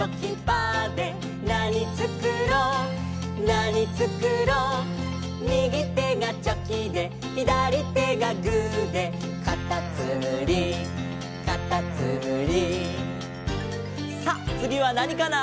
「なにつくろうなにつくろう」「右手がチョキで左手がグーで」「かたつむりかたつむり」さあつぎはなにかな？